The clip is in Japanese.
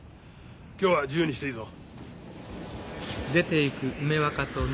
今日は自由にしていいぞ。